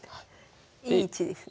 いい位置ですね。